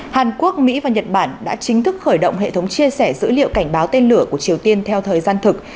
hàn quốc mỹ và nhật bản đã chính thức khởi động hệ thống chia sẻ dữ liệu cảnh báo tên lửa của triều tiên theo thời gian thực